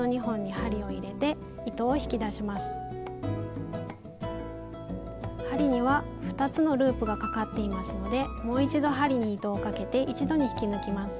針には２つのループがかかっていますのでもう一度針に糸をかけて一度に引き抜きます。